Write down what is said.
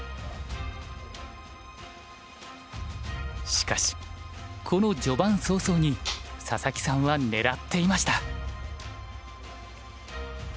しかしこの序盤早々に佐々木さんは狙っていました。